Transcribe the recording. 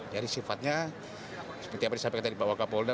jadi sifatnya seperti apa disampaikan tadi pak wakapolda